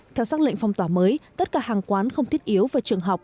theo xác lệnh phong tỏa mới tất cả hàng quán không thiết yếu và trường học